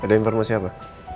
ya rin ada informasi apa